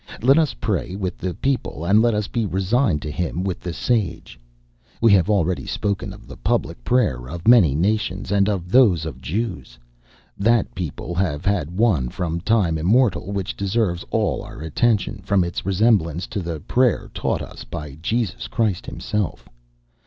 Let us pray with the people, and let us be resigned to him with the sage. We have already spoken of the public prayer of many nations, and of those of the Jews. That people have had one from time immemorial, which deserves all our attention, from its resemblance to the prayer taught us by Jesus Christ himself.